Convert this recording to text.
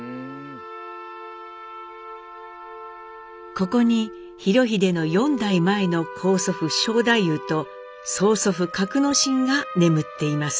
ここに裕英の４代前の高祖父荘太夫と曽祖父覺之進が眠っています。